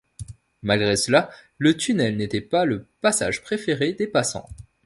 Malgré cela, le tunnel n'était pas le passage préféré des passants.